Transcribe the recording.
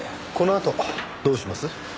このあとどうします？